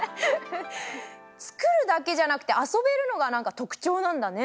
つくるだけじゃなくてあそべるのがなんかとくちょうなんだね。